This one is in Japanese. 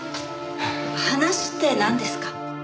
話ってなんですか？